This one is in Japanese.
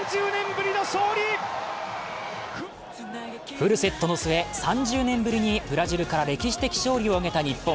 フルセットの末、３０年ぶりにブラジルから歴史的勝利を挙げた日本。